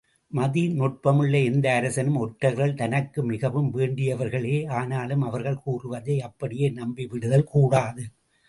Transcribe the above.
மதிநுட்பமுள்ள எந்த அரசனும், ஒற்றர்கள் தனக்கு மிகவும் வேண்டியவர்களே ஆனாலும் அவர்கள் கூறுவதை அப்படியே நம்பிவிடுதல் கூடாது.